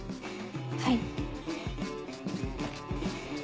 はい。